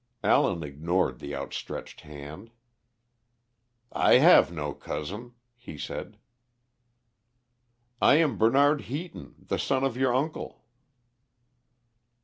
Allen ignored the outstretched hand. "I have no cousin," he said. "I am Bernard Heaton, the son of your uncle."